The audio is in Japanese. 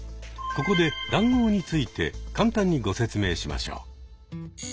ここで談合について簡単にご説明しましょう。